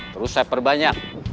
terus saya perbanyak